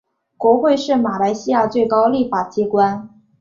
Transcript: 国会是马来西亚最高立法机关。